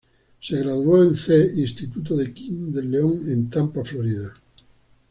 Se graduó en C. Instituto de King del Leon en Tampa, Florida.